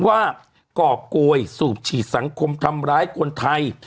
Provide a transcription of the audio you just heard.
กรอบโกยสูบฉีดสังคมทำร้ายคนไทย